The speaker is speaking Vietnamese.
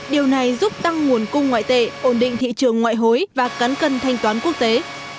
điều này giúp tăng nguồn cung ngoại tệ ổn định thị trường ngoại hối và cán cân thanh toán quốc tế